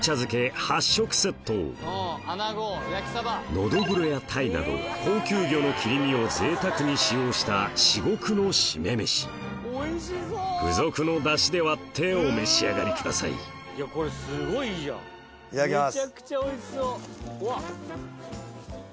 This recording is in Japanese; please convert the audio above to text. ノドグロやタイなど高級魚の切り身を贅沢に使用した至極の締め飯付属のダシで割ってお召し上がりくださいいただきます。